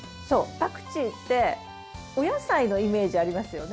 パクチーってお野菜のイメージありますよね。